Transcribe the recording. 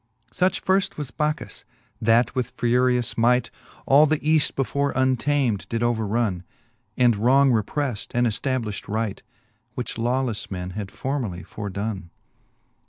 Such firft was Bacchus^ that with furious might All th'Eaft before untam'd did overronne, And wrong reprelTed, and eftabliflit right, Which lawlefle men had formerly fordonne.